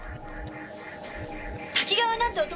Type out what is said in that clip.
多岐川なんて男